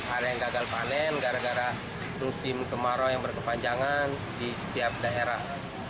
ada yang gagal panen gara gara musim kemarau yang berkepanjangan di setiap daerah